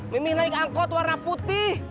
memilih naik angkot warna putih